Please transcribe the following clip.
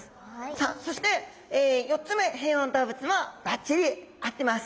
さあそして４つ目変温動物もばっちり合ってます。